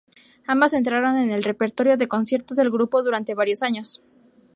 Ambas entraron en el repertorio de conciertos del grupo durante varios años.